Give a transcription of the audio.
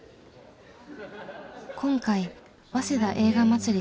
今回「早稲田映画まつり」